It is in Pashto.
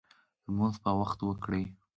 لمونځ په وخت وکړئ